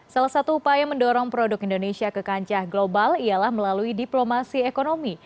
salah satu upaya mendorong produk indonesia ke kancah global ialah melalui diplomasi ekonomi